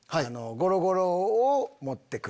ゴロゴロを持って来る。